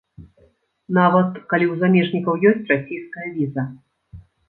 Нават, калі ў замежнікаў ёсць расійская віза.